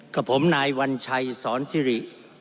กับผมนายวัญชัยสอนซิริ